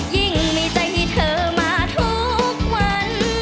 ยิ่งมีใจให้เธอมาทุกวัน